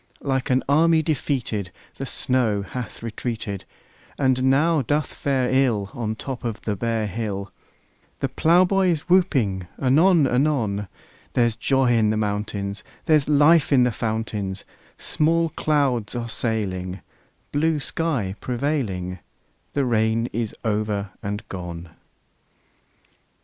Like an army defeated The snow hath retreated, And now doth fare ill On the top of the bare hill; The plowboy is whooping anon anon: There's joy in the mountains; There's life in the fountains; Small clouds are sailing, Blue sky prevailing; The rain is over and gone!